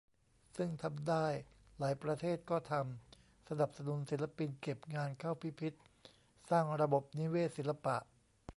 ซึ่งทำได้ หลายประเทศก็ทำ สนับสนุนศิลปิน เก็บงานเข้าพิพิธ สร้างระบบนิเวศศิลปะ